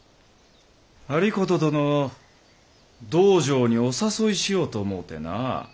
有功殿を道場にお誘いしようと思うてな。